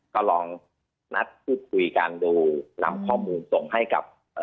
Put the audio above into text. ก็ลองนัดพูดคุยกันดูนำข้อมูลส่งให้กับ